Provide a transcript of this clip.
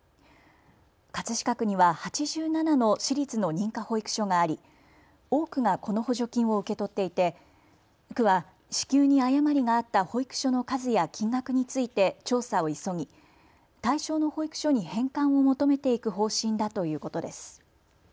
葛飾区には８７の私立の認可保育所があり多くがこの補助金を受け取っていて区は支給に誤りがあった保育所の数や金額について調査を急ぎ対象の保育所に返還を求めていく方針だということです。